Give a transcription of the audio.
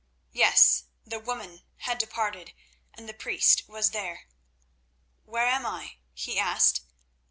Yes, the Woman had departed and the Priest was there. "Where am I?" he asked.